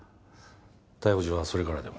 逮捕状はそれからでも。